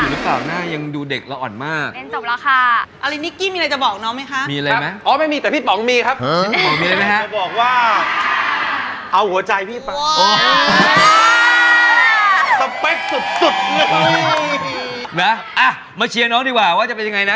น้องไมค์คนนี้เราตั้งใจเตรียมให้เชอรี่เลยนะ